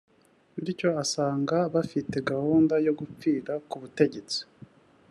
bityo asanga bafite gahunda yo gupfira ku butegetsi